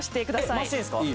えっ回していいんですか